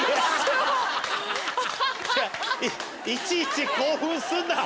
いやいちいち興奮すんな！